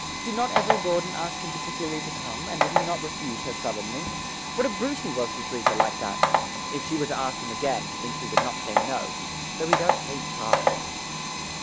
Did not Ethel Gordon ask him particularly to come, and did he not refuse her sullenly? What a brute he was to treat her like that! If she were to ask him again, he thinks he would not say no, though he does hate parties.